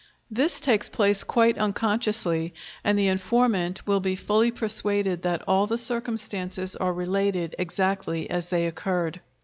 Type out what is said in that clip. This takes place quite unconsciously, and the informant will be fully persuaded that all the circumstances are related exactly as they occurred.